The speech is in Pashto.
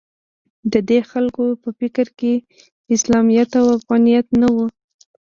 د دې خلکو په فکر کې اسلامیت او افغانیت نه و